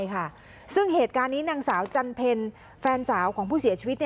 ซึ่งเหตุการณ์นี้นางสาวจันเพลแฟนสาวของผู้เสียชีวิต